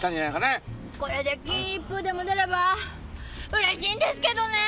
これで金一封でも出れば嬉しいんですけどね。